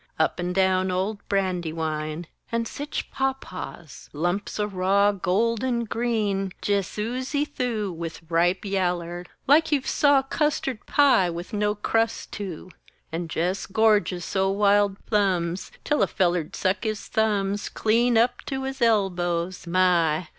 _ Up and down old Brandywine! And sich pop paws! Lumps o' raw Gold and green, jes oozy th'ough With ripe yaller like you've saw Custard pie with no crust to: And jes gorges o' wild plums, Till a feller'd suck his thumbs Clean up to his elbows! _My!